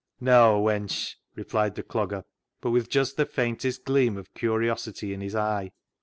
Neaw, wench," replied the C logger, but with just the faintest gleam of curiosity in his eye.